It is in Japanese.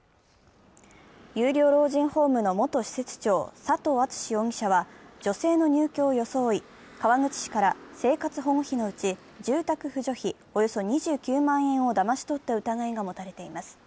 有料老人ホームの元施設長、佐藤篤容疑者は、女性の入居を装い川口市から生活保護費のうち、住宅扶助費およそ２９万円をだまし取った疑いが持たれています。